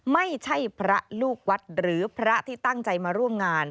ไม่ใช่พระลูกวัดหรือพระที่ตั้งใจมาร่วมงาน